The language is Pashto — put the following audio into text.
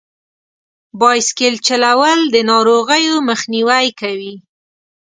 بایسکل چلول د ناروغیو مخنیوی کوي.